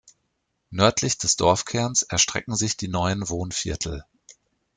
Nördlich des Dorfkerns erstrecken sich die neuen Wohnviertel.